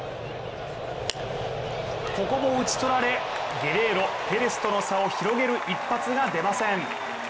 ここも打ち取られ、ゲレーロ、ペレスとの差を広げる一発が出ません。